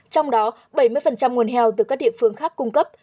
trong đó bảy mươi nguồn heo từ các địa phương khác cung cấp